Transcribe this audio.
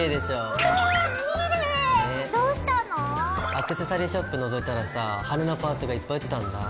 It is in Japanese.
アクセサリーショップをのぞいたらさ羽根のパーツがいっぱい売ってたんだぁ。